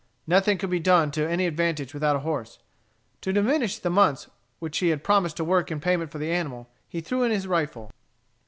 Nothing could be done to any advantage without a horse. To diminish the months which he had promised to work in payment for the animal, he threw in his rifle.